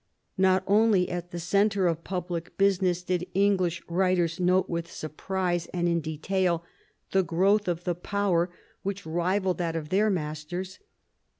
Not only at the centre of public business did English writers note with surprise and in detail the growth of the power which rivalled that of their masters.